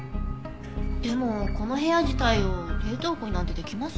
でもこの部屋自体を冷凍庫になんてできます？